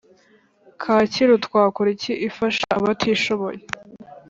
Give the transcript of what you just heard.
Kacyiru Twakora Iki ifasha abatishoboye